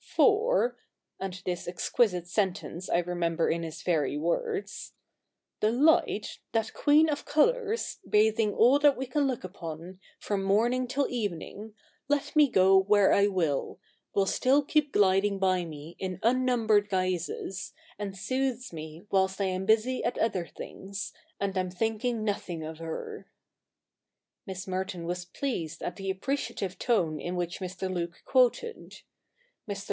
" For " (and this exquisite sentence I remember in his very words) "the Light, that queen of colours, bathing all that we can look upon, from morning till evening, let me go where I will, will still keep gliding by me in unnumbered guises, and soothes me whilst I am busy at other things, and am thinking nothing of her," '^' Vide Aug. Conf. 1. ix. c. 34. CH. ii] THE NEW REPUBLIC 209 Miss Merton was pleased at the appreciative tone in which Mr. Luke quoted. Mr.